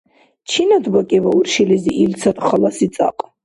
Чинад бакӀиба уршилизи илцад халаси цӀакь?